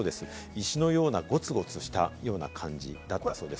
石のようなゴツゴツしたような感じだったそうです。